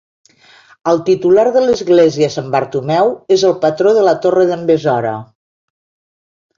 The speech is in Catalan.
El titular de l'església, Sant Bartomeu, és el patró de la Torre d'en Besora.